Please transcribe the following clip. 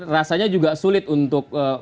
rasanya juga sulit untuk